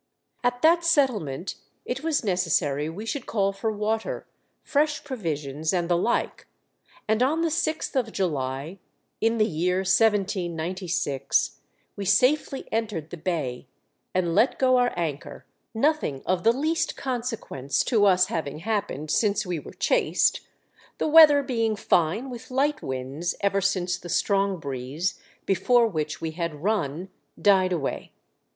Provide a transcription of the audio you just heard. At that Settlement it was necessary we should call for water, fresh provisions and the like ; and on the sixth of July, in the year 1796, we safely entered the Bay and let go our anchor, nothing of the least consequence to us having happened since we were chased, the weather being fine with light winds ever since the strong breeze, before which we had had run, died away.